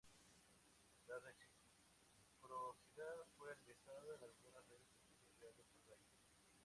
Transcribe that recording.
La reciprocidad fue analizada en algunas redes sociales reales por Gallos.